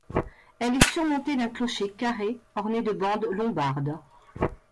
Elle est surmontée d'un clocher carré orné de bandes lombardes.